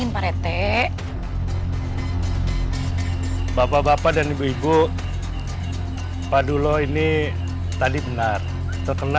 pasti nggak ada dilawan apapun